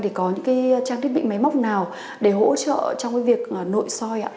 thì có những cái trang thiết bị máy móc nào để hỗ trợ trong cái việc nội soi ạ